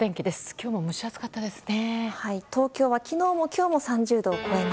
今日も蒸し暑かったですね。